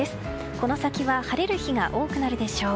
この先は晴れる日が多くなるでしょう。